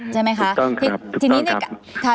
ใช่ไหมคะถูกต้องครับ